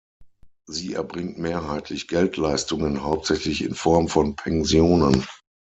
Sie erbringt mehrheitlich Geldleistungen, hauptsächlich in Form von Pensionen.